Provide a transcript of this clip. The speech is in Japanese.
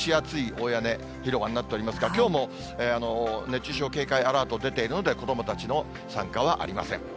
大屋根広場になっておりますが、きょうも熱中症警戒アラート出ているので、子どもたちの参加はありません。